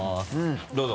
どうぞ。